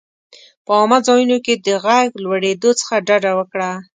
په عامه ځایونو کې د غږ لوړېدو څخه ډډه وکړه.